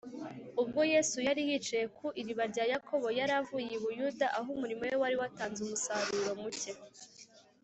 Ubwo Yesu yari yicaye ku iriba rya Yakobo, Yari avuye i Buyuda, aho umurimo we wari watanze umusaruro mucye